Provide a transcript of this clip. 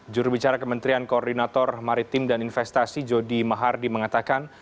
jurubicara kementerian koordinator maritim dan investasi jody mahardi mengatakan